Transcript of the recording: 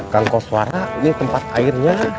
kang koswara ini tempat airnya